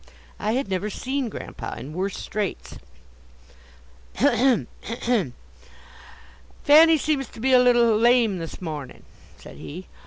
I had never seen Grandpa in worse straits. "A hem! a hem! 'Fanny' seems to be a little lame, this mornin'," said he.